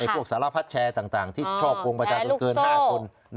พวกสารพัดแชร์ต่างที่ช่อกงประชาชนเกิน๕คน